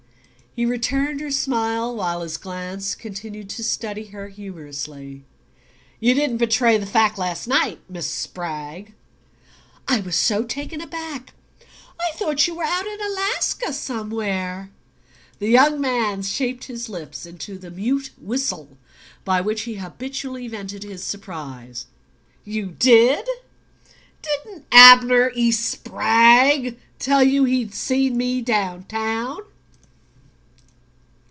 He returned her smile while his glance continued to study her humorously. "You didn't betray the fact last night. Miss Spragg." "I was so taken aback. I thought you were out in Alaska somewhere." The young man shaped his lips into the mute whistle by which he habitually vented his surprise. "You DID? Didn't Abner E. Spragg tell you he'd seen me down town?"